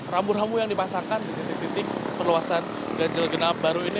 rambu rambu yang dipasangkan di titik titik perluasan ganjil genap baru ini